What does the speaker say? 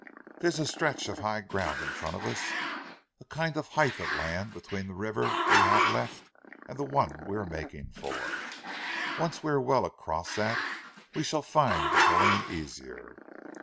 There's a stretch of high ground in front of us, a kind of height of land between the river we have left and the one we are making for. Once we are well across that we shall find the going easier.